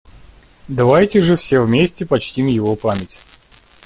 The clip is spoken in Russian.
Давайте же все вместе почтим его память!